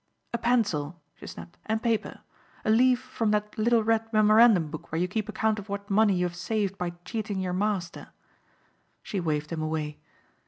"A pencil," she snapped, "and paper. A leaf from that little red memorandum book where you keep account of what money you have saved by cheating your master." She waved him away.